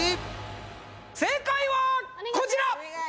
正解はこちら！